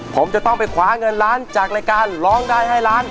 ผมจะต้องไปคว้าเงินล้านจากรายการร้องได้ให้ล้าน